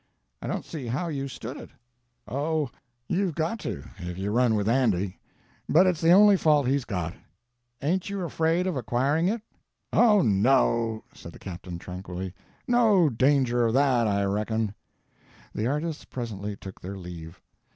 "I don't see how you stood it." "Oh, you've got to—if you run with Andy. But it's the only fault he's got." "Ain't you afraid of acquiring it?" "Oh, no," said the captain, tranquilly, "no danger of that, I reckon." The artists presently took their leave.